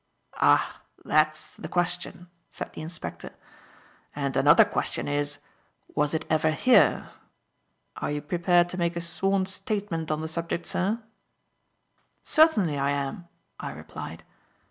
"Ah! that's the question!" said the inspector. "And another question is, was it ever here? Are you prepared to make a sworn statement on the subject, sir?" "Certainly I am," I replied.